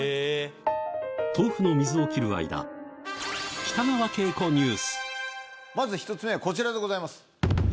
豆腐の水を切る間まず１つ目はこちらでございます。